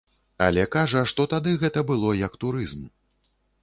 Але кажа, што тады гэта было як турызм.